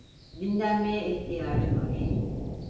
Dinlenmeye ihtiyacı var.